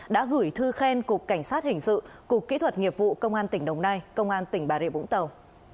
đã gửi thư khen cục cảnh sát hình sự cục kỹ thuật nghiệp vụ công an tỉnh đồng nai công an tỉnh bà rịa vũng tàu